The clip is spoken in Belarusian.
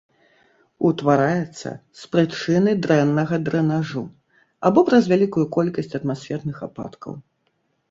Утвараецца з прычыны дрэннага дрэнажу або праз вялікую колькасць атмасферных ападкаў.